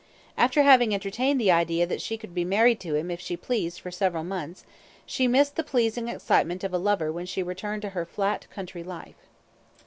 After having entertained the idea that she could be married to him if she pleased for several months, she missed the pleasing excitement of a lover when she returned to her flat country life.